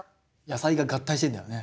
野菜が合体してんだよね。